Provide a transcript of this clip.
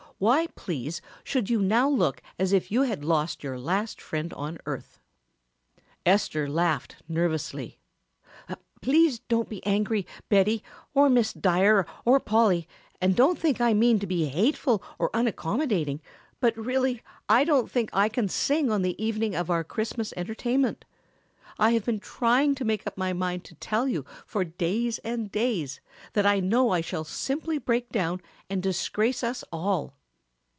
Why, please, should you now look as if you had lost your last friend on earth?" Esther laughed nervously. "Please don't be angry, Betty, or Miss Dyer, or Polly, and don't think I mean to be hateful or unaccommodating, but really I don't think I can sing on the evening of our Christmas entertainment. I have been trying to make up my mind to tell you for days and days, that I know I shall simply break down and disgrace us all."